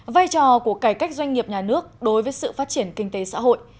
vai trò của cải cách doanh nghiệp nhà nước đối với sự phát triển kinh tế xã hội